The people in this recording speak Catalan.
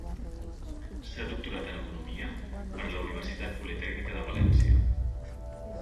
S'ha doctorat en Economia per la Universitat Politècnica de València.